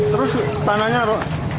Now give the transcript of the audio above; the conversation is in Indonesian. terus tanahnya apa